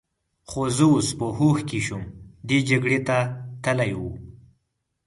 خو زه اوس په هوښ کې شوم، دی جګړې ته تلی و.